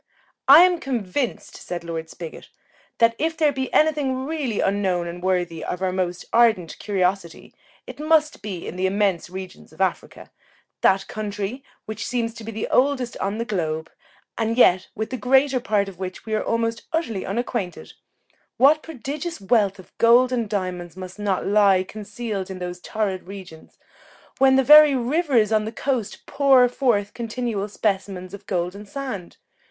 "I am convinced," said Lord Spigot, "that if there be any thing really unknown and worthy of our most ardent curiosity, it must be in the immense regions of Africa; that country, which seems to be the oldest on the globe, and yet with the greater part of which we are almost utterly unacquainted; what prodigious wealth of gold and diamonds must not lie concealed in those torrid regions, when the very rivers on the coast pour forth continual specimens of golden sand!